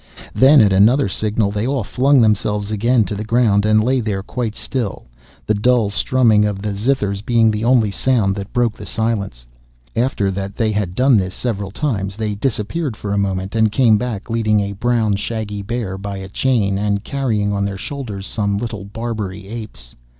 Then at another signal they all flung themselves again to the ground and lay there quite still, the dull strumming of the zithers being the only sound that broke the silence. After that they had done this several times, they disappeared for a moment and came back leading a brown shaggy bear by a chain, and carrying on their shoulders some little Barbary apes.